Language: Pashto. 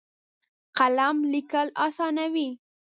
قلم لیکل اسانوي.